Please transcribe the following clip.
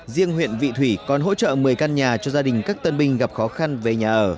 riêng huyện vị thủy còn hỗ trợ một mươi căn nhà cho gia đình các tân binh gặp khó khăn về nhà ở